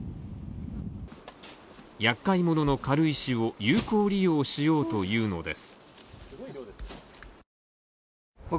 厄介者の軽石を有効利用しようというのです。